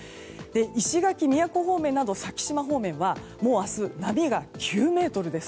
石垣・宮古方面など先島方面はもう明日、波が９ｍです。